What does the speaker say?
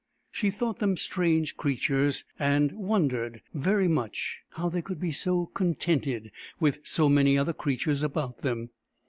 She thought them strange creatures, and won dered very much how they could be so contented with so many other creatures about them.